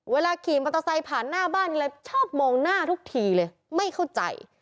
ขี่มอเตอร์ไซค์ผ่านหน้าบ้านเลยชอบมองหน้าทุกทีเลยไม่เข้าใจ